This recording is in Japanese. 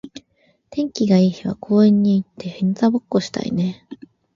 天気が良い日は公園に行って日向ぼっこしたいね。